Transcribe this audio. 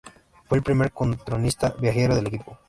Fue el primer cronista viajero del equipo.